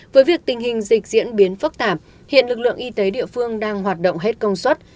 với việc tình hình dịch diễn biến phức tạp hiện lực lượng y tế địa phương đang hoạt động hết công suất